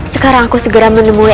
sekarang aku segera menemui